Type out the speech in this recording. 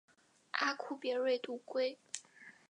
阿库别瑞度规。